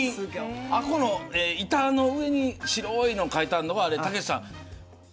あの板の上に白く書いてあるのが、たけしさん